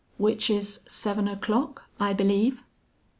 "Which is seven o'clock, I believe?"